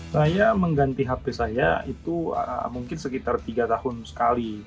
saya mengganti hp saya itu mungkin sekitar tiga tahun sekali